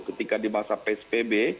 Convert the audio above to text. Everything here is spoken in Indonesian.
ketika di masa psbb